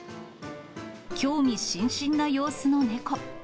興味津々な様子の猫。